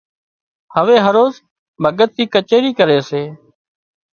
هوي هروز ڀڳت ٿِي ڪچيرِي ڪري سي